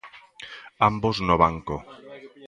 Ambos no banco.